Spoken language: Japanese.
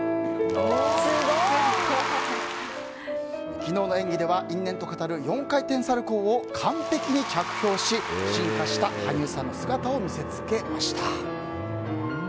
昨日の演技では因縁と語る４回転サルコウを完璧に着氷し進化した羽生さんの姿を見せつけました。